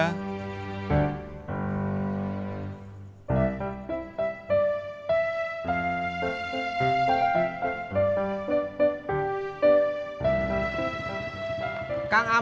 tidak ada apa apa